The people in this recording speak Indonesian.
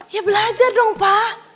ya belajar dong pak